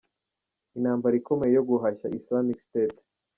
Intambara ikomeye yo guhashya Islamic State.